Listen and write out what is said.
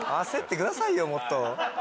焦ってくださいよもっと。